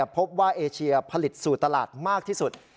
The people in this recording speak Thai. พบว่าเอเชียผลิตสู่ตลาดมากที่สุด